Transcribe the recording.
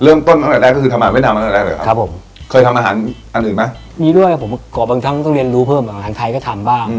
เริ่มต้นเมืองแรกก็คือทำอาหารเวียดนามตั้งแต่แรก